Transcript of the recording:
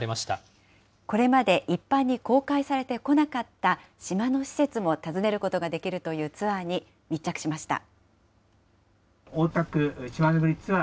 これまで、一般に公開されてこなかった島の施設も訪ねることができるというツアーに密着しました。